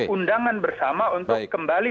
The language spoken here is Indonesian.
undangan bersama untuk kembali